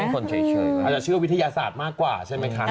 คนเฉยอาจจะเชื่อวิทยาศาสตร์มากกว่าใช่ไหมคะ